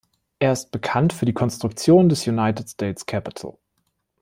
Er ist bekannt für die Konstruktion des United States Capitol.